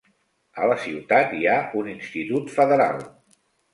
A la ciutat hi ha un institut federal.